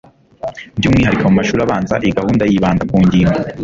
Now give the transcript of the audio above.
By umwihariko mu mashuri abanza iyi gahunda yibanda ku ngingo